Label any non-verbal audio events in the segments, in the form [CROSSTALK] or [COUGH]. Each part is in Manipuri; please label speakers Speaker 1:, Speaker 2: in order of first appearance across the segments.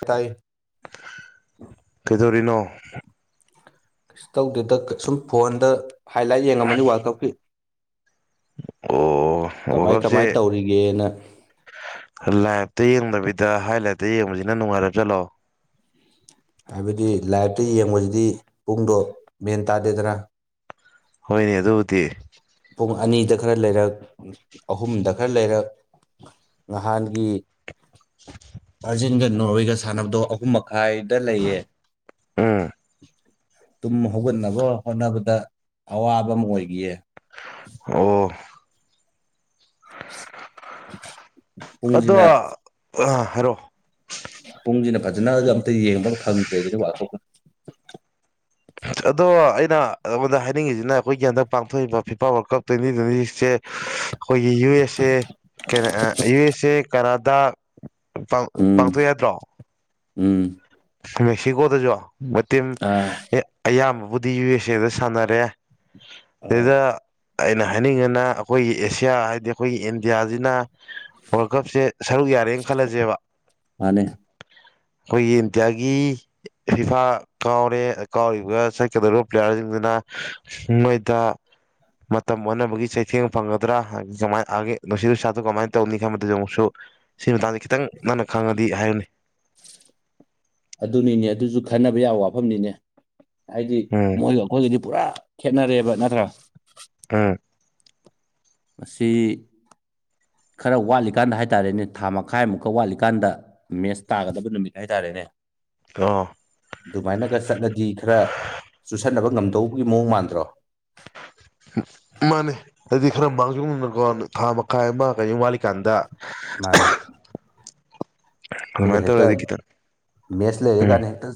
Speaker 1: ꯇꯥꯏ
Speaker 2: ꯀꯗꯣꯔꯤꯅꯣ
Speaker 1: ꯀꯩꯁꯨ ꯇꯧꯗꯦꯗ ꯁꯨꯝ ꯐꯣꯟꯗ ꯍꯥꯏꯂꯥꯏꯠ ꯌꯦꯡꯉꯝꯕꯅꯤ ꯋꯥꯔꯜ ꯀꯞꯀꯤ
Speaker 2: ꯑꯣ ꯋꯥꯔꯜ
Speaker 1: ꯀꯃꯥꯏ ꯀꯃꯥꯏ
Speaker 2: ꯀꯞꯁꯦ
Speaker 1: ꯇꯧꯔꯤꯒꯦꯅ
Speaker 2: ꯂꯥꯏꯞꯇ ꯌꯦꯡꯗꯕꯤꯗ ꯍꯥꯏ ꯂꯥꯏꯠꯇ ꯌꯦꯡꯕꯁꯤꯅ ꯅꯨꯡꯉꯥꯏꯔꯕ ꯖꯥꯠꯂꯣ
Speaker 1: ꯍꯥꯏꯕꯗꯤ ꯂꯥꯏꯞꯇ ꯌꯦꯡꯕꯁꯤꯗꯤ ꯄꯨꯡꯗꯣ ꯃꯦꯟ ꯇꯥꯗꯦꯗꯅ
Speaker 2: ꯍꯣꯏꯅꯦ ꯑꯗꯨꯕꯨꯗꯤ
Speaker 1: ꯄꯨꯡ ꯑꯅꯤꯗ ꯈꯔ ꯂꯩꯔꯛ ꯑꯍꯨꯝꯗ ꯈꯔ ꯂꯩꯔꯛ ꯅꯍꯥꯟꯒꯤ ꯕꯔꯖꯤꯦꯜꯒ ꯅꯣꯔꯋꯦꯒ ꯁꯥꯟꯅꯕꯗꯣ ꯑꯍꯨꯝ ꯃꯈꯥꯏ ꯗ ꯂꯩꯌꯦ
Speaker 2: ꯎꯝ
Speaker 1: ꯇꯨꯝ ꯍꯧꯒꯠꯅꯕ ꯍꯣꯠꯅꯕꯗ ꯑꯋꯥꯕ ꯑꯃ ꯑꯣꯏꯈꯤꯌꯦ
Speaker 2: ꯑꯣ ꯑꯗꯣ
Speaker 1: ꯄꯨꯡꯁꯤꯅ
Speaker 2: ꯑ ꯍꯥꯏꯔꯛꯑꯣ
Speaker 1: ꯄꯨꯡꯁꯤꯅ ꯐꯖꯅꯒ ꯑꯝꯇ ꯌꯦꯡꯕ ꯐꯪꯗꯔꯦ ꯑꯗꯨꯗꯤ ꯋꯥꯔꯜ ꯀꯞꯀ
Speaker 2: ꯑꯗꯣ ꯑꯩꯅ ꯑꯩꯉꯣꯟꯗ ꯍꯥꯏꯅꯤꯡꯉꯤꯁꯤꯅ ꯑꯩꯈꯣꯏꯒꯤ ꯍꯟꯗꯛ ꯄꯥꯡꯊꯣꯛꯏꯕ FIFA world cup twenty twenty ꯁꯤꯛꯁꯁꯦ ꯑꯩꯈꯣꯏꯒꯤ ꯌꯨ ꯑꯦꯁ ꯑꯦ ꯌꯨ ꯑꯦꯁ ꯑꯦ ꯀꯅꯥꯗꯥ ꯄꯥꯡ
Speaker 1: ꯎꯝ
Speaker 2: ꯄꯥꯡꯊꯣꯛ ꯏ ꯅꯠꯇꯔꯣ
Speaker 1: ꯎꯝ
Speaker 2: ꯃꯦꯛꯁꯤꯀꯣꯗꯁꯨ
Speaker 1: ꯑꯥ
Speaker 2: [UNINTELLIGIBLE] ꯑꯌꯥꯝꯕꯕꯨꯗꯤ ꯌꯨ ꯑꯦꯁ ꯑꯦꯗ ꯁꯥꯟꯅꯔꯦ
Speaker 1: ꯑꯧ
Speaker 2: ꯁꯤꯗ ꯑꯩꯅ ꯍꯥꯏꯅꯤꯡꯉꯅ ꯑꯩꯈꯣꯏꯒꯤ ꯑꯦꯁꯤꯌꯥ ꯍꯥꯏꯗꯤ ꯑꯩꯈꯣꯏꯒꯤ ꯏꯟꯗꯤꯌꯥꯁꯤꯅ ꯋꯥ‍꯭ꯔꯜ ꯀꯞꯁꯦ ꯁꯔꯨꯛ ꯌꯥꯔꯦꯅ ꯈꯜꯂꯁꯦꯕ
Speaker 1: ꯃꯥꯅꯦ
Speaker 2: ꯑꯩꯈꯣꯏꯒꯤ ꯏꯟꯗꯤꯌꯥꯒꯤ ꯐꯤꯐꯥ ꯀꯥꯎꯔꯦ ꯀꯥꯎꯔꯤꯕ ꯆꯠꯀꯗꯧꯔꯤꯕ ꯄ꯭ꯂꯦꯌꯥꯔꯁꯤꯡꯁꯤꯅ ꯃꯣꯏꯗ ꯃꯇꯝ ꯑꯣꯟꯅꯕꯒꯤ ꯆꯩꯊꯦꯡ ꯐꯪꯒꯗ꯭ꯔꯥ ꯍꯥꯏ ꯖꯃꯥꯏ ꯑꯥꯒꯤ ꯅꯨꯡꯁꯤꯠ ꯅꯨꯡꯁꯥꯠꯇꯣ ꯀꯃꯥꯏꯅ ꯇꯧꯅꯤ ꯈꯟꯕꯗꯁꯨ ꯑꯃꯨꯛꯁꯨ ꯁꯤ ꯃꯇꯥꯡꯗ ꯈꯤꯇꯪ ꯅꯪꯅ ꯈꯪꯉꯗꯤ ꯍꯥꯏꯌꯨꯅꯦ
Speaker 1: ꯑꯗꯨꯅꯤꯅꯦ ꯑꯗꯨꯁꯨ ꯈꯟꯅꯕ ꯌꯥꯕ ꯋꯥꯐꯝꯅꯤꯅꯦ ꯍꯥꯏꯗꯤ
Speaker 2: ꯎꯝ
Speaker 1: ꯃꯣꯏ ꯑꯩꯈꯣꯏꯒꯤꯗꯤ ꯄꯨꯔꯥ ꯈꯦꯠꯅꯔꯦꯕ ꯅꯠꯇ꯭ꯔꯥ
Speaker 2: ꯑꯝ
Speaker 1: ꯃꯁꯤ ꯈꯔ ꯋꯥꯠꯂꯤꯀꯥꯟꯗ ꯍꯥꯏꯇꯥꯔꯦꯅꯦ ꯊꯥ ꯃꯈꯥꯏ ꯃꯨꯛꯀ ꯋꯥꯠꯂꯤꯀꯥꯟꯗ ꯃꯦꯁ ꯇꯥꯒꯗꯕ ꯅꯨꯃꯤꯠ ꯍꯥꯏꯇꯥꯔꯦꯅꯦ
Speaker 2: ꯑꯥ
Speaker 1: ꯑꯗꯨꯃꯥꯏꯅꯒ ꯆꯠꯂꯗꯤ ꯈꯔ ꯆꯨꯁꯟꯅꯕ ꯉꯝꯗꯧꯕꯒꯤ ꯃꯑꯣꯡ ꯃꯥꯟꯗ꯭ꯔꯣ
Speaker 2: ꯃꯥꯅꯦ ꯍꯥꯏꯗꯤ ꯈꯔ ꯃꯥꯡꯖꯧꯅꯅꯀꯣ ꯊꯥ ꯃꯈꯥꯏ ꯑꯃ ꯀꯩ ꯑꯃꯥ ꯋꯥꯠꯂꯤꯀꯥꯟꯗ
Speaker 1: ꯃꯥꯅꯦ ꯑꯇꯨꯒ
Speaker 2: ꯑꯗꯨꯃꯥꯏꯅ
Speaker 1: ꯍꯦꯛꯇ
Speaker 2: ꯇꯧꯔꯗꯤ ꯈꯤꯇꯪ
Speaker 1: ꯃ‌ꯦꯠꯁ ꯂꯩꯔꯦ
Speaker 2: ꯎꯝ
Speaker 1: ꯀꯥꯏꯅ ꯍ‌ꯦꯛꯇ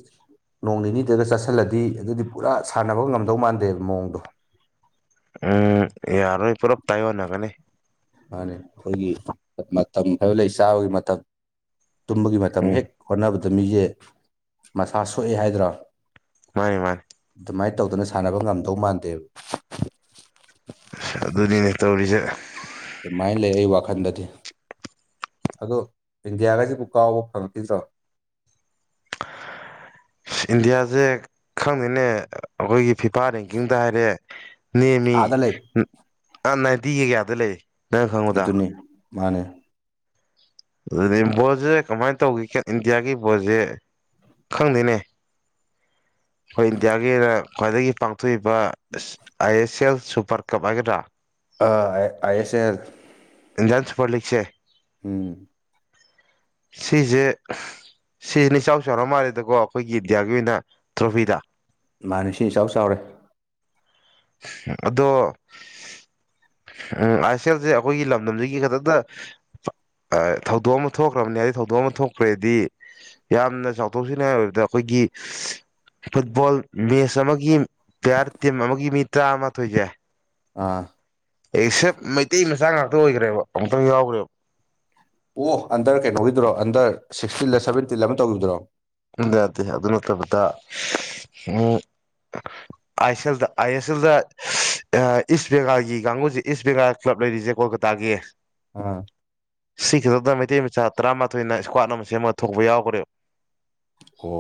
Speaker 1: ꯅꯣꯡ ꯅꯤꯅꯤꯗꯒ ꯆꯠꯁꯤꯜꯂꯗꯤ ꯑꯗꯨꯗꯤ ꯄꯨꯔꯥ ꯁꯥꯟꯅꯕ ꯉꯝꯗꯧ ꯃꯥꯟꯗꯦꯕ ꯃꯑꯣꯡꯗꯣ
Speaker 2: ꯎꯝ ꯌꯥꯔꯣꯏ ꯄꯨꯂꯞ ꯇꯥꯏꯑ‌ꯣꯟꯅꯒꯅꯤ
Speaker 1: ꯃꯥꯅꯤ ꯑꯩꯈꯣꯏꯒꯤ ꯃꯇꯝ ꯍꯥꯏꯕ ꯂꯩ ꯆꯥꯕꯒꯤ ꯃꯇꯝ ꯇꯨꯝꯕꯒꯤ ꯃꯇꯝ
Speaker 2: ꯎꯝ
Speaker 1: ꯍꯦꯛ ꯑ‌ꯣꯟꯅꯕꯗ ꯃꯤꯁꯦ ꯃꯁꯥ ꯁꯣꯛꯑꯦ ꯍꯥꯏꯗ꯭ꯔꯥ
Speaker 2: ꯃꯥꯅꯦ ꯃꯥꯅꯤ
Speaker 1: ꯑꯗꯨꯃꯥꯏ ꯇꯧꯗꯅ ꯁꯥꯟꯅꯕ ꯉꯝꯗꯧ ꯃꯥꯟꯗꯦꯕ
Speaker 2: ꯑꯁ ꯑꯗꯨꯅꯤꯅꯦ ꯇꯧꯔꯤꯁꯦ
Speaker 1: ꯑꯗꯨꯃꯥꯏꯅ ꯂꯩ ꯑꯩ ꯋꯥꯈꯜꯗꯗꯤ ꯑꯗꯣ ꯏꯟꯗꯤꯌꯥꯒꯁꯤꯕꯨ ꯀꯥꯎꯕ ꯐꯪꯉꯛꯈꯤꯗ꯭ꯔꯣ
Speaker 2: ꯏꯟꯗꯤꯌꯥꯁꯦ ꯈꯪꯗ‌ꯦꯅꯦ ꯑꯩꯈꯣꯏꯒꯤ ꯐꯤꯐꯥ ꯔꯦꯡꯀꯤꯡꯗ ꯍꯥꯏꯔꯦ ꯅꯦꯝꯃꯤ
Speaker 1: ꯑꯥꯗ ꯂꯩ
Speaker 2: ꯑꯥ ꯅꯥꯏꯟꯇꯤ ꯀꯦ ꯀꯥꯗ ꯂꯩꯔ‌ꯦ
Speaker 1: ꯑꯗꯨꯅꯤ ꯃꯥꯅꯦ
Speaker 2: ꯑꯗꯨꯅꯦ ꯕꯣꯜꯖꯦ ꯀꯃꯥꯏꯅ ꯇꯧꯒꯤꯒꯦ ꯏꯟꯗꯤꯌꯥꯒꯤ ꯕꯣꯜꯖꯦ ꯈꯪꯗꯦꯅꯦ ꯑꯩꯈꯣꯏ ꯏꯟꯗꯤꯌꯥꯒꯤꯅ ꯈ꯭ꯋꯥꯏꯗꯒꯤ ꯄꯥꯡ ꯊꯣꯛꯏꯕ ꯑꯁ ꯑꯥꯏ ꯑꯦꯁ ꯑꯦꯜ ꯁꯨꯄ꯭ꯔ ꯀꯞ ꯍꯥꯏꯒꯗ꯭ꯔꯥ
Speaker 1: ꯑꯥ ꯑꯥꯏ ꯑꯦꯁ ꯑꯦꯜ
Speaker 2: ꯏꯟꯗꯤꯌꯥꯟ ꯁꯨꯄ꯭ꯔꯂꯤꯛꯁꯦ
Speaker 1: ꯎꯝ
Speaker 2: ꯁꯤꯖꯦ ꯁꯤꯖꯤꯅ ꯏꯆꯥꯎ ꯆꯥꯎꯔ ꯃꯥꯜꯂꯦꯗꯀꯣ ꯑꯩꯈꯣꯏꯒꯤ ꯏꯟꯗꯤꯌꯥꯒꯤ ꯑꯣꯏꯅ ꯇ꯭ꯔꯣꯐꯤꯗ
Speaker 1: ꯃꯥꯅꯤ ꯁꯤ ꯏꯆꯥꯎ ꯆꯥꯎꯔꯦ
Speaker 2: ꯑꯗꯣ ꯎꯝ ꯑꯥꯏ ꯑꯦꯁ ꯑꯦꯜꯁꯦ ꯑꯩꯈꯣꯏꯒꯤ ꯂꯝꯗꯝꯁꯤꯒꯤ ꯈꯛꯇꯥꯗ ꯊꯧꯗꯣꯛ ꯑꯃ ꯊꯣꯛꯈ꯭ꯔꯕꯅꯤ ꯍꯥꯏꯗꯤ ꯊꯧꯗꯣꯛ ꯑꯃ ꯊꯣꯛꯈ꯭ꯔꯦꯗꯤ ꯌꯥꯝꯅ ꯆꯥꯎꯊꯣꯛꯆꯅꯤꯡꯉꯥꯏ ꯑꯣꯏꯕꯗ ꯑꯩꯈꯣꯏꯒꯤ ꯐꯨꯠꯕꯣꯜ ꯃꯦꯠꯁ ꯑꯃꯒꯤ ꯄ꯭ꯂꯦꯌꯥꯔ ꯇꯤꯝ ꯑꯃꯒꯤ ꯃꯤ ꯇꯔꯥꯃꯥꯊꯣꯏꯁꯦ
Speaker 1: ꯑꯥ
Speaker 2: ꯑꯦꯛꯁꯦꯞ ꯃꯩꯇꯩ ꯃꯆꯥ ꯉꯥꯛꯇ ꯑꯣꯏꯒ꯭ꯔꯦꯕ ꯑꯃꯨꯛꯇꯪ ꯌꯥꯎꯒ꯭ꯔꯦꯕ
Speaker 1: ꯑꯣ ꯑꯟꯗꯔ ꯀꯩꯅꯣꯒꯤꯗꯨꯔꯣ ꯑꯟꯗꯔ ꯁꯤꯛꯁꯇꯤꯟꯂ ꯁꯕꯦꯟꯇꯤꯟꯂ ꯑꯃ ꯇꯧꯒꯤꯕꯗꯨꯔꯣ
Speaker 2: ꯑꯝꯗꯌꯥꯗꯦ ꯑꯗꯨ ꯅꯠꯇꯕꯗ ꯎꯝ ꯑꯥꯏ ꯑꯦꯁ ꯑꯦꯜꯗ ꯑꯥꯏ ꯑꯦꯁ ꯑꯦꯜꯗ ꯏꯁ ꯕꯦꯡꯒꯥꯜꯒꯤ ꯀꯥꯡꯒꯨꯁꯦ ꯏꯁ ꯕꯦꯡꯒꯥꯜ ꯀ꯭ꯂꯕ ꯂꯩꯔꯤꯁꯦ ꯀꯣꯜꯀꯠ ꯇꯥꯒꯤ
Speaker 1: ꯑ
Speaker 2: ꯁꯤ ꯈꯤꯛꯇꯗ ꯃꯩꯇꯩ ꯃꯆꯥ ꯇꯔꯥꯃꯥꯊꯣꯏꯅ ꯏꯁꯀ꯭ꯋꯥꯠ ꯑꯃ ꯁꯦꯝꯃ ꯊꯣꯛꯄ ꯌꯥꯎꯒ꯭ꯔꯦꯕ
Speaker 1: ꯀꯣ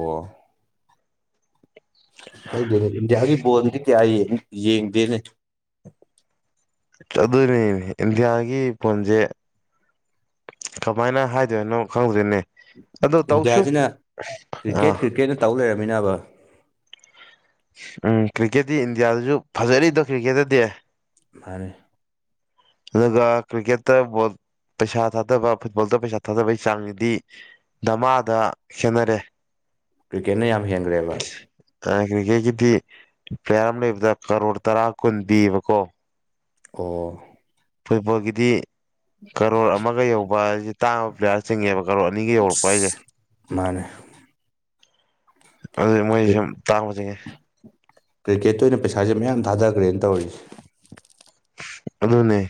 Speaker 1: ꯈꯪꯗꯦꯅꯦ ꯏꯟꯗꯤꯌꯥꯒꯤ ꯕꯣꯟꯗꯤ ꯀꯌꯥ ꯌꯦꯡ ꯌꯦꯡꯗꯦꯅꯦ
Speaker 2: ꯑꯗꯨꯅꯤꯅꯦ ꯏꯟꯗꯤꯌꯥꯒꯤ ꯄꯣꯟꯖꯦ ꯀꯃꯥꯏꯅ ꯍꯥꯏꯗꯣꯏꯅꯣ ꯈꯪꯗꯦꯅꯦ
Speaker 1: ꯏꯟꯗꯤꯌꯥꯁꯤꯅ ꯀ꯭ꯔꯤꯛꯀꯦꯠ ꯀ꯭ꯔꯤꯛꯀꯦꯠꯅ ꯇꯧ ꯂꯩꯔꯝꯃꯤꯅꯕ
Speaker 2: ꯎꯝ ꯀ꯭ꯔꯤꯛꯀꯦꯠꯇꯤ ꯏꯟꯗꯤꯌꯥꯗꯁꯨ ꯐꯖꯔꯤꯗꯣ ꯀ꯭ꯔꯤꯛꯀꯦꯠꯇꯗꯤ
Speaker 1: ꯃꯥꯅ‌ꯦ
Speaker 2: [INAUDIBLE] ꯑꯗꯨꯒ ꯀ꯭ꯔꯤꯛꯀꯦꯠꯇ ꯄꯩꯁꯥ ꯊꯥꯗꯕ ꯐꯨꯠꯕꯣꯜꯗ ꯄꯩꯁꯥ ꯊꯥꯗꯕꯒꯤ ꯆꯥꯡꯗꯤ ꯙꯝꯃꯥꯗ ꯈꯦꯠꯅꯔꯦ
Speaker 1: ꯀ꯭ꯔꯤꯀꯦꯠꯅ ꯌꯥꯝ ꯍꯦꯟꯒ꯭ꯔꯦꯕ
Speaker 2: ꯑꯥ ꯀ꯭ꯔꯤꯛꯀꯦꯠꯀꯤꯗꯤ ꯄ꯭ꯂꯦꯌꯥꯔ ꯑꯃ ꯂꯩꯕꯗ ꯀꯔꯣꯔ ꯇꯔꯥ ꯀꯨꯟ ꯄꯤꯌꯦꯕꯀꯣ
Speaker 1: ꯑꯣ
Speaker 2: ꯐꯣꯏꯕꯒꯤꯗꯤ ꯀꯔꯣꯔ ꯑꯃꯒ ꯌꯧꯕ ꯍꯥꯏꯁꯦ ꯇꯥꯡꯕ ꯄ꯭ꯂꯦꯌꯥꯔ ꯆꯤꯡꯉꯦꯕ ꯀꯔꯣꯔ ꯑꯅꯤꯒ ꯌꯧꯔꯛꯄ ꯍꯥꯏꯁꯦ
Speaker 1: ꯃꯥꯅꯦ
Speaker 2: ꯑꯗꯨ ꯃꯣꯏ ꯁꯨꯝ ꯇꯥꯡꯕ ꯆꯤꯡꯉꯦ
Speaker 1: ꯀ꯭ꯔꯤꯀꯦꯠꯇ ꯑꯣꯏꯅ ꯄꯩꯁꯥꯁꯦ ꯃꯌꯥꯝ ꯊꯥꯗꯈ꯭ꯔꯦꯅ ꯇꯧꯔꯤꯁꯤ
Speaker 2: ꯑꯗꯨꯅꯦ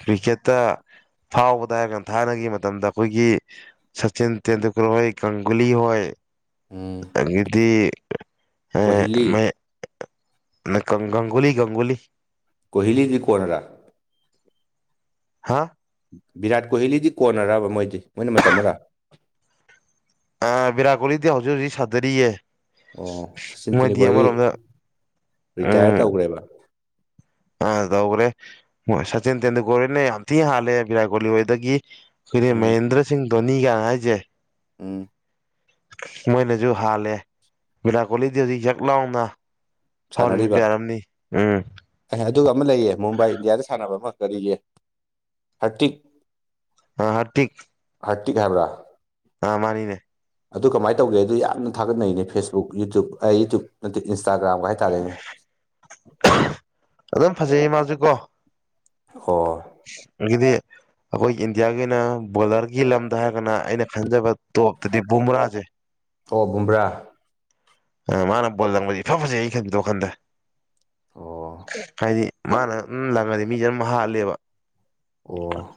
Speaker 2: ꯀ꯭ꯔꯤꯛꯀꯦꯠꯇ ꯐꯥꯎꯕꯗ ꯍꯥꯏꯔ ꯀꯗ ꯊꯥꯏꯅꯒꯤ ꯃꯇꯝꯗ ꯑꯩꯈꯣꯏꯒꯤ ꯁꯆꯤꯟ ꯇꯦꯟꯗꯨꯜꯀꯔ ꯍꯣꯏ ꯀꯪꯒꯨꯂꯤ ꯍꯣꯏ
Speaker 1: ꯎꯝ
Speaker 2: ꯑꯗꯨꯤꯗꯤ ꯑꯦ
Speaker 1: ꯀꯣꯍꯤꯂꯤ
Speaker 2: ꯃꯥꯏ ꯅ ꯉꯒꯨꯂꯤ ꯪꯒꯨꯂꯤ
Speaker 1: ꯀꯣꯍꯤꯂꯤꯒꯤ ꯀꯣꯟꯅꯔꯥ
Speaker 2: ꯍꯥ
Speaker 1: ꯚꯤꯔꯥꯠ ꯀꯣꯍꯂꯤꯗꯤ ꯀꯣꯟꯅꯔꯕ ꯃꯣꯏꯗꯤ ꯃꯣꯏꯅ ꯃꯇꯝ ꯑꯃꯔꯥ
Speaker 2: ꯑ ꯕꯤꯔꯥꯠ ꯀꯣꯂꯤꯗꯤ ꯍꯧꯖꯤꯛ ꯍꯧꯖꯤꯛ ꯁꯥꯗꯔꯤꯌꯦ
Speaker 1: ꯑꯣ ꯁꯆꯤꯟ
Speaker 2: ꯃꯣꯏꯗꯤ
Speaker 1: ꯇꯦꯟꯗꯨꯜꯀꯔꯗꯤ
Speaker 2: ꯑꯃꯔꯣꯝꯗ
Speaker 1: ꯔꯤꯇꯥꯌꯔ
Speaker 2: ꯎꯝ
Speaker 1: ꯇꯧꯈ꯭ꯔꯦꯕ
Speaker 2: ꯑꯥ ꯇꯧꯈ꯭ꯔꯦ ꯍꯣꯏ ꯁꯆꯤꯟ ꯇꯦꯟꯗꯨꯜꯀꯔꯅ ꯌꯥꯝ ꯊꯤꯅ ꯍꯥꯜꯂꯦ ꯚꯔꯥꯠ ꯀꯣꯂꯤ ꯍꯣꯏꯗꯒꯤ ꯑꯩꯈꯣꯏꯒꯤ
Speaker 1: ꯎꯝ
Speaker 2: ꯃꯍꯦꯟꯗ꯭ꯔ ꯁꯤꯡ ꯙꯣꯅꯤꯒꯅ ꯍꯥꯏꯁꯦ
Speaker 1: ꯎ
Speaker 2: ꯃꯣꯏꯅꯁꯨ ꯍꯥꯜꯂꯦ ꯚꯔꯥꯠ ꯀꯣꯂꯤꯗꯤ ꯍꯧꯖꯤꯛ ꯍꯛ ꯂꯥꯎꯅ
Speaker 1: ꯁꯥꯟꯅꯔꯤꯕ
Speaker 2: ꯐꯥꯎꯔꯕꯤꯕꯂꯤ ꯑꯔꯝꯅꯤ ꯎꯝ
Speaker 1: ꯑꯦ ꯑꯗꯨꯒ ꯑꯃ ꯂꯩꯌꯦ ꯃꯨꯝꯕꯥꯏ ꯏꯟꯗꯤꯌꯥꯗ ꯁꯥꯟꯅꯕ ꯑꯃ ꯀꯔꯤꯒꯤ ꯊꯥꯔꯇꯤꯛ
Speaker 2: ꯑ ꯍꯥꯔꯇꯤꯛ
Speaker 1: ꯍꯥꯏꯔꯇꯤꯛ ꯍꯥꯏꯕ꯭ꯔꯥ
Speaker 2: ꯑꯥ ꯃꯥꯅꯤꯅꯦ
Speaker 1: ꯑꯗꯨ ꯀꯃꯥꯏꯅ ꯇꯧꯒꯦ ꯑꯗꯨ ꯌꯥꯝꯅ ꯊꯥꯒꯠꯅꯩꯅꯦ ꯐꯦꯁꯕꯨꯛ ꯌꯨꯇ꯭ꯌꯨꯞ ꯑꯩ ꯌꯨꯇ꯭ꯌꯨꯞ ꯅꯠꯇꯦ ꯏꯟꯁꯇꯥꯒ꯭ꯔꯥꯝ ꯍꯥꯏꯇꯥꯔꯦꯅꯦ
Speaker 2: ꯑꯗꯨꯝ ꯐꯖꯩꯌꯦ ꯃꯥꯁꯨꯦꯀꯣ
Speaker 1: ꯑꯣ
Speaker 2: ꯑꯗꯤ ꯑꯩꯈꯣꯏ ꯏꯟꯗꯤꯌꯥꯒꯤ ꯑꯣꯏꯅ ꯕꯣꯂꯔꯒꯤ ꯂꯝꯗ ꯍꯥꯏꯔꯒꯅ ꯑꯩꯅ ꯈꯟꯖꯕ ꯇꯣ ꯑꯗꯨꯗꯤ ꯨꯃ꯭ꯔꯥꯁꯦ
Speaker 1: ꯑꯣ ꯕꯨꯝꯕ꯭ꯔꯥ
Speaker 2: ꯃꯥꯅ ꯕꯣꯜ ꯂꯪꯕꯕꯁꯤ ꯐꯖꯩ ꯑꯩꯩꯅ ꯈꯟꯕꯤꯗꯣ ꯋꯥꯈꯟꯗ
Speaker 1: ꯑꯣ
Speaker 2: ꯍꯥꯏꯗꯤ ꯃꯥꯅꯝ ꯂꯪꯉꯗꯤ ꯃꯤꯁꯦ ꯑꯗꯨꯝ ꯍꯥꯂꯦꯕ
Speaker 1: ꯑꯣ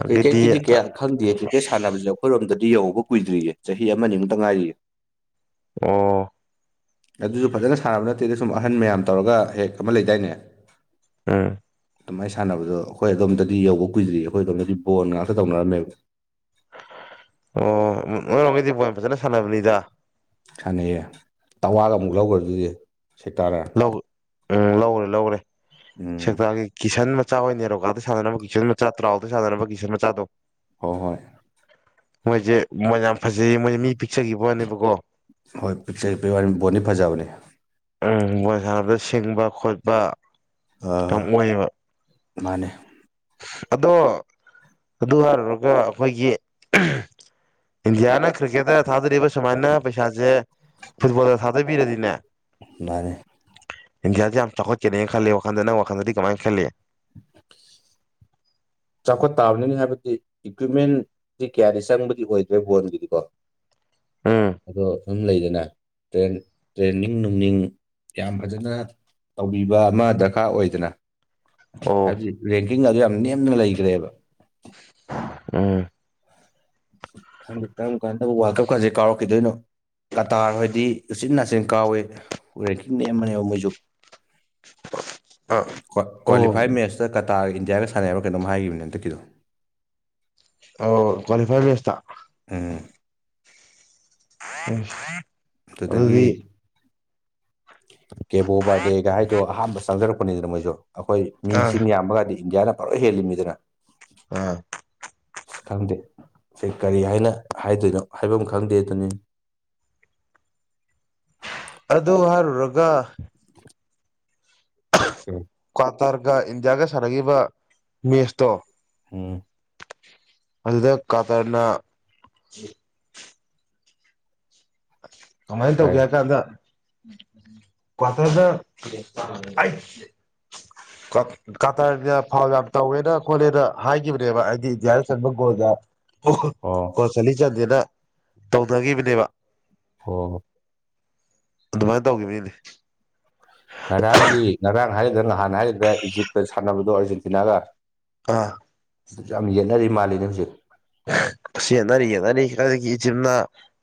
Speaker 2: ꯑꯗꯒꯤꯗꯤ
Speaker 1: ꯀ꯭ꯔꯤꯀꯦꯠꯀꯤꯗꯤ ꯀꯌꯥ ꯈꯪꯗꯦ ꯀ꯭ꯔꯤꯛꯀꯦꯠ ꯁꯥꯟꯅꯕꯁꯦ ꯑꯩꯈꯣꯏꯔꯣꯝꯗꯗꯤ ꯌꯍꯧꯕ ꯀꯨꯏꯗ꯭ꯔꯤꯌꯦꯦ ꯆꯍꯤ ꯑꯃꯅꯤꯅꯤꯃꯨꯛꯇ ꯉꯥꯏꯔꯤꯌꯦꯦ
Speaker 2: ꯑ
Speaker 1: ꯑꯗꯨꯁꯨ ꯐꯖꯅ ꯁꯥꯟꯅꯕ ꯅꯠꯇꯦꯗ ꯁꯨꯝ ꯑꯍꯟ ꯃꯌꯥꯝ ꯇꯧꯔꯒ ꯍꯦꯛ ꯑꯃ ꯂꯩꯗꯥꯏꯅꯦ
Speaker 2: ꯎꯝ
Speaker 1: ꯑꯗꯨꯃꯥꯏꯅ ꯁꯥꯟꯅꯕꯗꯣ ꯑꯩꯈꯣꯏ ꯑꯗꯣꯝꯗꯗꯤ ꯌꯧꯕ ꯀꯨꯏꯗ꯭ꯔꯤ ꯑꯩꯈꯣꯏ ꯑꯗꯣꯝꯗꯗꯤ ꯕꯣꯟ ꯉꯥꯛꯇ ꯇꯧꯅꯔꯝꯃꯦꯕ
Speaker 2: ꯑꯣ ꯅꯣꯏꯔꯣꯝꯒꯩꯗꯤ ꯕꯣꯟ ꯐꯖꯅ ꯁꯥꯟꯅꯕꯅꯤꯗ
Speaker 1: ꯁꯥꯟꯅꯩꯌꯦ ꯇꯋꯥꯒ ꯑꯃꯨꯛ ꯂꯧꯒꯔ꯭ꯗꯨꯗꯤ ꯁꯤꯇꯥꯥꯔꯦ
Speaker 2: ꯂꯧ ꯎꯝ ꯂꯧꯔꯦ ꯂꯧꯔꯦ
Speaker 1: ꯎꯝ
Speaker 2: ꯁꯦꯛꯇ꯭ꯔꯒꯤ ꯀꯤꯁꯟ ꯃꯆꯥ ꯑꯣꯏꯅ ꯅꯦꯔꯣꯀꯗ ꯁꯥꯟꯅꯅꯕ ꯀꯤꯁꯟ ꯃꯆꯥ ꯇ꯭ꯔꯥꯎꯗ ꯁꯥꯟꯅꯅꯕ ꯀꯤꯁꯟ ꯃꯆꯥꯗꯣ
Speaker 1: ꯍꯣꯏ ꯍꯣꯏ
Speaker 2: ꯃꯣꯏꯁꯦ ꯃꯣꯏ ꯌꯥꯝ ꯐꯖꯩꯌꯦ ꯃꯣꯏꯁꯦ ꯃꯤ ꯄꯤꯛꯆꯈꯤꯕꯅꯦꯕꯀꯣ
Speaker 1: ꯍꯣꯏ ꯄꯤꯛꯆ ꯄꯤꯛ ꯕꯣꯠꯗꯤ ꯐꯖꯕꯅꯤ
Speaker 2: ꯎ ꯕꯣꯁꯥꯔꯗ ꯁꯤꯡꯕ ꯈꯣꯠꯄ ꯌꯥꯝ ꯑꯣꯏꯌꯦꯕ
Speaker 1: ꯃꯥꯅꯦ
Speaker 2: ꯑꯗꯣ ꯑꯗꯨ ꯍꯥꯏꯔꯨꯔꯒ ꯑꯩꯈꯣꯏꯒꯤ ꯏꯟꯗꯤꯌꯥꯅ ꯀ꯭ꯔꯤꯀꯦꯠꯇ ꯊꯥꯗꯕ ꯁꯨꯃꯥꯏꯅ ꯄꯩꯁꯥꯁꯦ ꯐꯨꯠꯕꯣꯜꯗ ꯊꯥꯗꯣꯏꯕꯤꯔꯗꯤꯅꯦ
Speaker 1: ꯃꯥꯅꯦ
Speaker 2: ꯏꯟꯗꯤꯌꯥꯁꯁꯤ ꯌꯥꯝ ꯆꯥꯎꯈꯠ ꯆꯦꯅꯤꯅ ꯈꯜꯂꯤ ꯋꯥꯈꯜꯗ ꯅꯪ ꯋꯥꯈꯜꯗꯗꯤ ꯀꯃꯥꯏꯅ ꯈꯜꯂꯤ
Speaker 1: ꯆꯥꯎꯈꯠ ꯇꯥꯕꯅꯤ ꯍꯥꯏꯕꯗꯤ ꯏꯀ꯭ꯋꯤꯞꯃꯦꯟꯗꯤ ꯀꯌꯥꯗꯤ ꯆꯪꯕꯗꯤ ꯑꯣꯏꯗ꯭ꯔꯦ ꯐꯣꯟꯒꯤꯗꯤꯀꯣ
Speaker 2: ꯎꯝ
Speaker 1: ꯑꯗꯣ ꯑꯗꯨꯝ ꯂꯩꯗꯅ ꯇ꯭ꯔꯦꯟ ꯇ꯭ꯔꯦꯟꯅꯤꯡ ꯅꯨꯡꯅꯤꯡ ꯌꯥꯝ ꯐꯖꯅ ꯇꯧꯕꯤꯕ ꯑꯃ ꯗꯔꯀꯥꯔ ꯑꯣꯏꯗꯅ
Speaker 2: ꯑꯣ
Speaker 1: ꯍꯥꯏꯕꯗꯤ ꯔꯦꯡꯀꯤꯡ ꯑꯗꯨ ꯌꯥꯝ ꯅꯦꯝꯅ ꯂꯩꯈ꯭ꯔꯦꯕ
Speaker 2: ꯎꯝ
Speaker 1: ꯈꯪꯗꯦ ꯀꯔꯝꯀꯟꯗꯕꯨ ꯋꯥꯛꯀꯝꯀꯥꯡꯁꯤ ꯀꯥꯎꯔꯛꯈꯤꯗꯣꯏꯅꯣ ꯀꯇꯥꯔ ꯍꯣꯏꯗꯤ ꯎꯆꯤꯟ ꯅꯥꯆꯤꯟ ꯀꯥꯎꯏꯤ ꯔꯦꯡꯀꯤꯡ ꯅꯦꯝꯕꯅꯦꯕꯥ ꯃꯣꯏꯁꯨ
Speaker 2: ꯑ ꯑꯣ
Speaker 1: ꯀ꯭ꯋꯥꯂꯤꯐꯥꯏ ꯃꯦꯠꯁꯇ ꯀꯇꯥꯒ ꯏꯟꯗꯤꯌꯥꯒ ꯁꯥꯟꯅꯌꯦꯕꯥ ꯀꯩꯅꯣꯝ ꯍꯥꯏꯈꯤꯕꯅꯤ ꯍꯟꯗꯛꯀꯤꯗꯣ
Speaker 2: ꯑꯣ ꯀ꯭ꯋꯥꯂꯤꯐꯥꯏ ꯃꯦꯠꯁꯇ
Speaker 1: ꯎꯝ
Speaker 2: ꯑ [INAUDIBLE]
Speaker 1: ꯑꯗꯨꯗꯒꯤ ꯀꯦꯕꯣ ꯕꯥꯔꯗꯦꯒ ꯍꯥꯏꯗꯣ ꯑꯍꯥꯟꯕ ꯆꯪꯖꯔꯛꯄꯅꯤꯗꯅ ꯃꯣꯏꯁꯨ ꯑꯩꯈꯣꯏ ꯃꯤꯁꯤꯡ
Speaker 2: ꯑꯥ
Speaker 1: ꯌꯥꯝꯕꯒꯥꯟꯗꯤ ꯏꯟꯗꯤꯌꯥꯅ ꯄꯨꯔꯥ ꯍꯦꯜꯂꯤꯃꯤꯗꯅ
Speaker 2: ꯑꯥ
Speaker 1: ꯑꯁ ꯈꯪꯗꯦ ꯁꯤ ꯀꯔꯤ ꯍꯥꯏꯅ ꯍꯥꯏꯗꯣꯏꯅꯣ ꯍꯥꯏꯐꯝ ꯈꯪꯗꯦꯗꯨꯅꯤ
Speaker 2: ꯑꯗꯨ ꯍꯥꯏꯔꯨꯔꯥꯒ
Speaker 1: [INAUDIBLE] ꯀ [UNINTELLIGIBLE]
Speaker 2: ꯀ꯭ꯋꯥꯇꯔꯒ ꯏꯟꯗꯤꯌꯥꯒ ꯁꯥꯟꯅꯈꯤꯕ ꯃꯦꯁꯇꯣ
Speaker 1: ꯎꯝ
Speaker 2: ꯑꯗꯨꯗ ꯀ꯭ꯋꯥꯇꯔꯅ ꯀꯃꯥꯏꯅ ꯇꯧꯒꯦ
Speaker 1: ꯀꯥꯏ
Speaker 2: ꯍꯥꯏ ꯀꯥꯟꯗ ꯀꯊꯗ [UNINTELLIGIBLE] ꯀꯇꯔꯅ ꯐꯥꯎ ꯌꯥꯝ ꯇꯧꯋꯦꯅ ꯈꯈꯣꯠꯂꯅ ꯍꯥꯏꯈꯤꯕꯅꯦꯕ ꯍꯥꯏꯗꯤ ꯏꯟꯗꯤꯌꯥꯗ ꯆꯟꯕ ꯒꯣꯜꯗ ꯑꯣꯈ [UNINTELLIGIBLE]
Speaker 1: ꯑꯣ
Speaker 2: ꯒꯣꯟ ꯆꯥꯜꯂꯤ ꯆꯟꯗꯦꯅ ꯇꯧꯅꯈꯤꯕꯅꯦꯕ
Speaker 1: ꯑꯣ
Speaker 2: ꯑꯗꯨꯃꯥꯏꯅ ꯇꯧꯈꯤꯕꯩꯅꯤ
Speaker 1: ꯉꯔꯥꯡꯒꯤ ꯉꯔꯥꯡ ꯍꯥꯏꯔꯤꯒ꯭ꯔꯥ ꯅꯍꯥꯟ ꯍꯥꯏꯒ꯭ꯔꯥꯗꯔꯥ ꯏꯖꯤꯞꯀ ꯁꯥꯟꯅꯕꯗꯣ ꯑꯥꯔꯖꯦꯟꯇꯤꯅꯥꯒ
Speaker 2: ꯑꯥ
Speaker 1: ꯑꯗꯨ ꯌꯥꯝ ꯌꯦꯠꯅꯔꯤ ꯃꯥꯜꯂꯤꯅꯦ ꯍꯧꯖꯤꯛ
Speaker 2: ꯌꯦꯠꯅꯔꯤ ꯌꯦꯠꯅꯔꯤ ꯀꯔꯤꯒꯤ ꯏꯖꯤꯞꯅ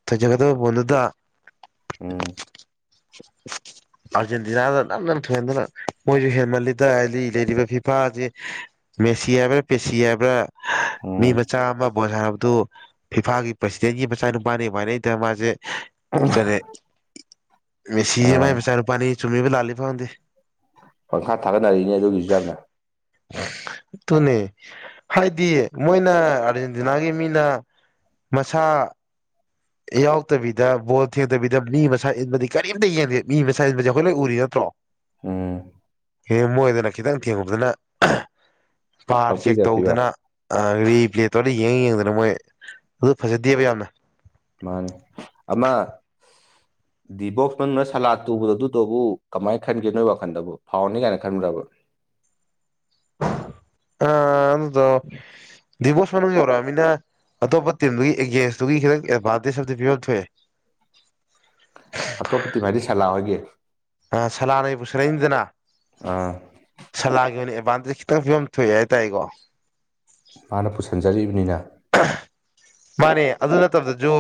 Speaker 2: ꯊꯣꯏꯖꯒꯗꯕ ꯕꯣꯟꯗꯨꯗ
Speaker 1: ꯎꯝ
Speaker 2: [UNINTELLIGIBLE] ꯑꯥꯔꯖꯦꯟꯇꯤꯅꯥꯗ ꯅꯝꯗꯅ ꯊꯣꯏꯍꯟꯗꯅ ꯃꯣꯏꯁꯨ ꯍꯦꯟꯃꯜꯂꯤꯗ ꯍꯥꯏꯗꯤ ꯂꯩꯔꯤꯕ ꯐꯤꯐꯥꯖꯦ ꯃꯦꯁꯤ ꯍꯥꯏꯕ꯭ꯔꯥ ꯄꯦꯁꯤ ꯍꯥꯏꯕ꯭ꯔꯥ ꯃꯤ
Speaker 1: ꯎꯝ
Speaker 2: ꯃꯆꯥ ꯑꯃ ꯕꯣꯜ ꯁꯥꯅꯕꯗꯨ ꯐꯤꯐꯥꯒꯤ ꯄ꯭ꯔꯁꯤꯗꯦꯟꯒꯤ ꯃꯆꯥ ꯅꯨꯄꯥꯅꯦꯕꯨ ꯍꯥꯢꯅꯩꯗ ꯃꯥꯁꯦ ꯀꯔꯤ
Speaker 1: ꯑ
Speaker 2: ꯃꯦꯁꯤꯖꯤ ꯃꯥꯒꯤ ꯃꯆꯥꯅꯨꯄꯥꯅꯦꯌꯦ ꯆꯨꯝꯃꯤꯕ ꯂꯥꯜꯂꯤꯕ ꯈꯪꯗꯦ
Speaker 1: ꯄꯪꯈꯥ ꯊꯥꯒꯠꯅꯔꯤꯌꯦꯅꯦ ꯑꯗꯨꯒꯤꯁꯨ ꯌꯥꯝꯅ
Speaker 2: ꯑꯗꯨꯨꯅꯦ ꯍꯥꯏꯗꯤ ꯃꯣꯏꯅ ꯑꯥꯔꯖꯦꯟꯇꯤꯅꯥꯒꯤ ꯃꯤꯅ ꯃꯁꯥ ꯌꯥꯎꯗꯕꯤꯗ ꯕꯣꯜ ꯊꯦꯡꯗꯕꯤꯗ ꯃꯤ ꯃꯁꯥ ꯏꯟꯕꯗꯤ ꯀꯔꯤꯑꯥꯝꯇ ꯌꯦꯡꯗꯦ ꯃꯤ ꯃꯁꯥ ꯏꯟꯕꯁꯤ ꯑꯩꯈꯣꯏ ꯂꯣꯏ ꯎꯔꯤ ꯅꯠꯇ꯭ꯔꯣ
Speaker 1: ꯎꯝ
Speaker 2: ꯍꯦꯛ ꯃꯣꯏꯗꯅ ꯈꯤꯇꯪ ꯊꯦꯡꯉꯨꯕꯥꯗꯅ ꯕꯥꯔ ꯆꯦꯛ
Speaker 1: ꯄꯪꯄꯤꯗ ꯄꯤꯕ
Speaker 2: ꯇꯧꯗꯅ ꯑ ꯔꯤꯄ꯭ꯂꯦ ꯇꯧꯔ ꯌꯦꯡꯉ ꯌꯦꯡꯗꯅ ꯃꯣꯏ ꯑꯗꯨ ꯐꯖꯗꯦꯕ ꯌꯥꯝꯅ
Speaker 1: ꯃꯥꯅꯦ ꯑꯃꯥ
Speaker 2: [UNINTELLIGIBLE]
Speaker 1: ꯗꯤꯕꯣꯛꯁ ꯃꯅꯨꯡꯗ ꯁꯂꯥ ꯇꯨꯕꯗ ꯑꯗꯨꯗꯨꯕꯨ ꯀꯃꯥꯏꯅ ꯈꯟꯒꯦ ꯅꯣꯏ ꯋꯥꯈꯟꯗꯕꯨ ꯐꯥꯎꯟꯅꯤ ꯀꯥꯏꯅ ꯈꯟꯕꯔ꯭ꯕ
Speaker 2: ꯑ ꯑꯗꯨꯗꯣ ꯗꯤꯕꯣꯛꯁ ꯃꯅꯨꯡ ꯌꯧꯔꯛꯑꯕꯅꯤꯅ ꯑꯇꯣꯞꯄ ꯇꯤꯝꯗꯨꯒꯤ ꯑꯦꯒꯦꯟꯁꯇꯨꯒꯤ ꯈꯤꯇꯪ ꯑꯦꯗꯚꯥꯟꯇꯦꯖ ꯑꯝꯗꯤ ꯄꯤꯕꯝ ꯊꯣꯛꯑꯦ
Speaker 1: ꯑꯇꯣꯞꯄ ꯇꯤꯝ ꯍꯥꯏꯗꯤ ꯁꯂꯥ ꯍꯣꯢꯒꯤ
Speaker 2: ꯑ ꯁꯂꯥꯅ ꯄꯨꯁꯤꯜꯂꯛꯏꯅꯤꯗꯅ
Speaker 1: ꯑꯥ
Speaker 2: ꯁꯂꯥꯒꯤ ꯑꯣꯏꯅ ꯑꯦꯗꯚꯥꯟꯇꯦꯖ ꯈꯤꯇꯪ ꯐꯤꯕꯝ ꯊꯣꯛꯑꯦ ꯍꯥꯏꯇꯥꯔꯦꯀꯣ
Speaker 1: ꯃꯥꯅ ꯄꯨꯁꯟꯖꯔꯤꯕꯅꯤꯅ
Speaker 2: ꯃꯥꯅꯦ ꯑꯗꯨ ꯅꯠꯇꯕꯗꯁꯨ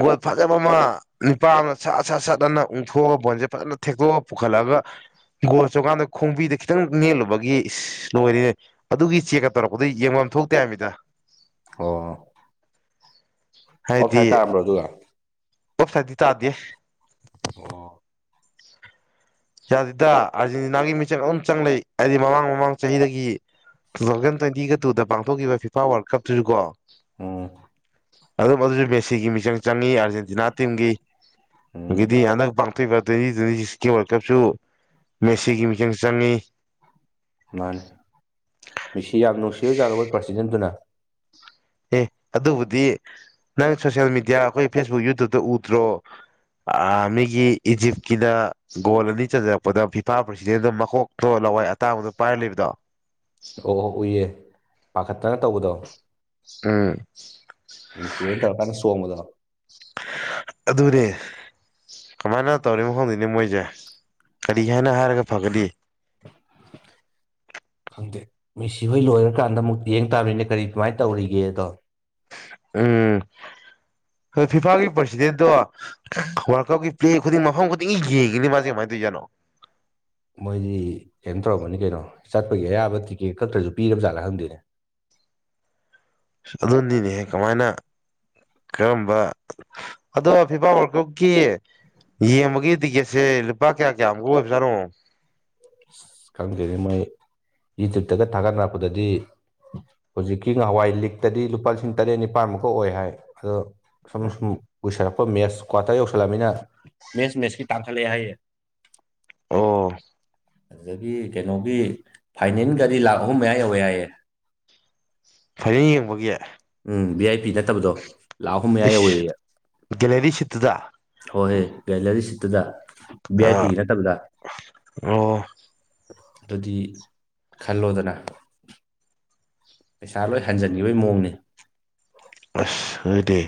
Speaker 2: ꯒꯣꯜ ꯐꯖꯕ ꯑꯃ ꯅꯨꯄꯥ ꯑꯃꯅ ꯁꯠ ꯁꯠ ꯁꯠꯠꯇꯅ ꯎꯡꯊꯣꯛꯑꯒ ꯕꯣꯟꯁꯦ ꯐꯖꯅ ꯊꯦꯛꯇꯣꯛꯑꯒ ꯄꯨꯈꯠꯂꯒ ꯒꯣꯜ ꯆꯟꯀꯥꯟꯗ ꯈꯣꯡꯕꯤꯗ ꯈꯤꯇꯪ ꯅꯦꯠꯂꯨꯕꯒꯤ ꯏꯁ ꯂꯣꯏꯔꯦꯍꯦ ꯑꯗꯨꯒꯤ ꯆꯦꯛꯀ ꯇꯧꯔꯛꯄꯗꯨ ꯌꯦꯡꯐꯝ ꯊꯣꯛꯇꯦ ꯍꯥꯏꯅꯤꯗꯥ
Speaker 1: ꯑꯣ
Speaker 2: [INAUDIBLE]
Speaker 1: ꯑꯣꯐ ꯁꯥꯏꯠ ꯇꯥꯔꯝꯕ꯭ꯔꯣ ꯑꯗꯨꯗꯣ
Speaker 2: ꯑꯣꯞꯁꯥꯏꯠꯗꯤ ꯇꯥꯗꯦ
Speaker 1: ꯑꯣ
Speaker 2: ꯌꯥꯗꯦꯗ ꯑꯥꯔꯖꯦꯟꯇꯤꯅꯥꯒꯤ ꯃꯤꯡꯆꯪ ꯑꯗꯨꯝ ꯆꯪ ꯂꯩ ꯍꯥꯏꯗꯤ ꯃꯃꯥꯡ ꯃꯃꯥꯡ ꯆꯍꯤꯗꯒꯤ ꯇꯨ ꯊꯥꯎꯖꯟ ꯇ꯭ꯋꯦꯟꯇꯤꯒ ꯇꯨꯗ ꯄꯥꯡꯊꯣꯛꯈꯤꯕ ꯐꯤꯐꯥ ꯋꯥꯔꯜ ꯀꯞꯇꯨꯁꯨ ꯀꯣ
Speaker 1: ꯎꯝ
Speaker 2: ꯑꯗꯨꯝ ꯑꯗꯨꯁꯨ ꯃꯦꯁꯤꯒꯤ ꯃꯤꯆꯪ ꯆꯪꯉꯤ ꯑꯥꯔꯖꯦꯟꯇꯤꯅꯥ ꯇꯤꯝꯒꯤ
Speaker 1: ꯎꯝ
Speaker 2: ꯑꯗꯤ ꯍꯟꯗꯛ ꯑ ꯇ꯭ꯋꯦꯟꯇꯤ ꯇ꯭ꯋꯦꯟꯇꯤ ꯁꯤꯛꯁꯀꯤ ꯋꯥꯔꯜ ꯀꯞꯁꯨ ꯃꯦꯁꯤꯒꯤ ꯃꯤꯆꯡ ꯆꯪꯏ
Speaker 1: ꯃꯥꯅꯤ ꯃꯦꯁꯤ ꯌꯥꯝ ꯅꯨꯡꯁꯤꯔꯖꯥꯠꯂꯤ ꯃꯣꯏ ꯄ꯭ꯔꯁꯤꯗꯦꯟꯗꯨꯅ
Speaker 2: ꯑꯦ ꯑꯗꯨꯕꯨꯗꯤ ꯅꯪ ꯁꯣꯁꯜ ꯃꯦꯗꯤꯌꯥ ꯑꯩꯈꯣꯏ ꯐꯦꯁꯕꯨꯛ ꯌꯨꯇꯨꯕꯇ ꯎꯗ꯭ꯔꯣ ꯑꯥ ꯃꯤꯒꯤ ꯏꯖꯤꯞꯀꯤꯅ ꯒꯣꯜ ꯑꯅꯤ ꯆꯟꯖꯔꯛꯄꯗ ꯐꯤꯐꯥ ꯄ꯭ꯔꯁꯤꯗꯦꯟꯅ ꯃꯀꯣꯛ ꯑꯣ ꯂꯋꯥꯏ ꯑꯇꯥꯡꯕꯗꯣ ꯄꯥꯏꯔ ꯂꯩꯕꯗꯣ
Speaker 1: ꯑꯣ ꯎꯏꯌꯦ ꯄꯥꯈꯠꯇꯅ ꯇꯧꯕꯗꯣ
Speaker 2: ꯎꯝ
Speaker 1: ꯃꯤꯁꯤ ꯍꯣꯏꯅ ꯇꯧꯔꯀꯥꯟꯗ ꯆꯣꯡꯕꯗꯣ
Speaker 2: ꯑꯗꯨꯅꯦ ꯀꯃꯥꯏꯅ ꯇꯧꯔꯤꯅꯣ ꯈꯪꯗꯦꯅꯦ ꯃꯣꯏꯁꯦ ꯀꯔꯤ ꯍꯥꯏꯅ ꯍꯥꯏꯔꯒ ꯐꯒꯅꯤ [INAUDIBLE]
Speaker 1: ꯈꯪꯗꯦ ꯃꯦꯁꯤ ꯍꯣꯏ ꯂꯣꯏꯔꯀꯥꯟꯗ ꯑꯃꯨꯛ ꯌꯦꯡ ꯇꯥꯕꯅꯤꯅꯦ ꯀꯔꯤ ꯀꯃꯥꯏꯅ ꯇꯧꯔꯤꯒꯦꯗꯣ
Speaker 2: ꯎꯝ ꯍ ꯐꯤꯐꯥꯒꯤ ꯄ꯭ꯔꯁꯤꯗꯦꯟꯗꯣ ꯋꯥꯔꯜꯀꯞꯀꯤ ꯄ꯭ꯂꯦ ꯈꯨꯗꯤꯡ ꯃꯐꯝ ꯈꯨꯗꯤꯡꯒꯤ ꯌꯦꯡꯉꯤꯅꯤ ꯃꯥꯁꯦ ꯀꯃꯥꯏꯅ ꯇꯧꯔꯤꯖꯥꯅꯣ
Speaker 1: ꯃꯣꯏꯒꯤ ꯀꯩꯅꯣ ꯇꯧꯔꯝꯃꯅꯤ ꯀꯩꯅꯣ ꯆꯠꯄꯒꯤ ꯑꯌꯥꯕ ꯇꯤꯀꯦꯠ ꯈꯛꯇ꯭ꯔꯁꯨ ꯄꯤꯔꯕ ꯖꯥꯠꯂꯦ ꯈꯪꯗꯣꯏꯅꯦ
Speaker 2: ꯑ ꯑꯗꯨꯗꯤꯅꯦ ꯀꯃꯥꯏꯅ ꯀꯔꯝꯕ ꯑꯗꯣ ꯐꯤꯐꯥ ꯋꯥꯔꯀꯨꯞꯀꯤ ꯌꯦꯡꯕꯒꯤ ꯇꯤꯛꯀꯦꯠꯁꯦ ꯂꯨꯄꯥ ꯀꯌꯥ ꯀꯌꯥꯃꯨꯛ ꯑꯣꯏꯕꯖꯥꯅꯣ
Speaker 1: ꯑꯁ ꯈꯪꯗꯦꯅꯦ ꯃꯣꯏ ꯌꯨꯇ꯭ꯕꯇꯒ ꯊꯥꯒꯠꯅꯔꯛꯄꯗꯗꯤ ꯍꯧꯖꯤꯛꯀꯤ ꯉꯍꯋꯥꯏ ꯂꯤꯛꯇꯗꯤ ꯂꯨꯄꯥ ꯂꯤꯁꯤꯡ ꯇꯔꯦꯠ ꯅꯤꯄꯥꯜꯃꯨꯛ ꯑꯣꯏ ꯍꯥꯏ ꯑꯗꯣ ꯁꯨꯝ ꯁꯨꯝ ꯎꯏꯁꯜꯂꯛꯄ ꯃꯦꯠꯁ ꯀ꯭ꯋꯥꯇꯔ ꯌꯧꯁꯜꯂꯂꯝꯃꯤꯅ ꯃꯦꯠꯁ ꯃꯦꯠꯁꯀꯤ ꯇꯥꯡꯈꯠꯂꯛꯑꯦ ꯍꯥꯏꯌꯦ
Speaker 2: ꯑꯣ
Speaker 1: ꯑꯗꯒꯤ ꯀꯩꯅꯣꯒꯤ ꯐꯥꯏꯅꯦꯟ ꯒꯥꯗꯤ ꯂꯥꯛ ꯑꯍꯨꯝ ꯃꯌꯥ ꯌꯧꯋꯦ ꯍꯥꯏꯌꯦ
Speaker 2: ꯐꯥꯏꯅꯦꯟ ꯌꯦꯡꯕꯒꯤ
Speaker 1: ꯎꯝ ꯚꯤ ꯑꯥꯏ ꯄꯤ ꯅꯠꯇꯕꯗꯣ ꯂꯥꯛ ꯑꯍꯨꯝ ꯃꯌꯥ ꯌꯧꯋꯦ
Speaker 2: ꯏꯁ ꯒꯦꯂꯔꯤ ꯁꯤꯠꯇꯨꯗ
Speaker 1: ꯍꯣꯏꯍꯣꯏ ꯒꯦꯂꯔꯤ ꯁꯤꯠꯇꯨꯗ ꯚꯤ ꯑꯥꯏ
Speaker 2: ꯑ
Speaker 1: ꯄꯤꯒꯤ ꯅꯠꯇꯕꯗ
Speaker 2: ꯑꯣ
Speaker 1: ꯑꯗꯨꯗꯤ ꯈꯜꯂꯣꯗꯅ ꯄꯩꯁꯥ ꯂꯣꯏ ꯍꯟꯖꯤꯟꯈꯤꯕꯒꯤ ꯃꯑꯣꯡꯅꯤ
Speaker 2: ꯑꯁ ꯈꯪꯗꯦ